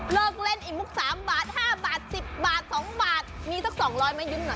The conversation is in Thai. เลิกเล่นอีกมุก๓บาท๕บาท๑๐บาท๒บาทมีสัก๒๐๐ไม่ยุ่มหน่อย